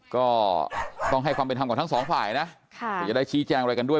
ก็ต้องให้ความเป็นธรรมกับทั้งสองฝ่ายนะเดี๋ยวจะได้ชี้แจงอะไรกันด้วย